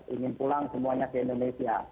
ingin pulang semuanya ke indonesia